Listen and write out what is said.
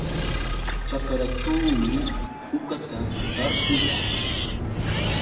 Ćhakraćhuumi uqata tarpuyaa.